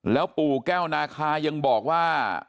แล้วปู่แก้วนาคายังบอกว่า